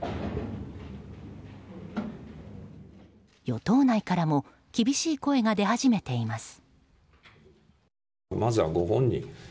与党内からも厳しい声が出始めています。